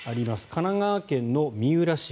神奈川県の三浦市。